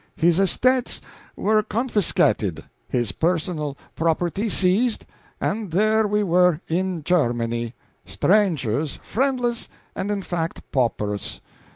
His estates were confiscated, his personal property seized, and there we were, in Germany, strangers, friendless, and in fact paupers.